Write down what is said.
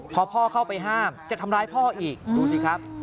พอพ่อเข้าไปห้ามจะทำร้ายพ่ออีกดูสิครับ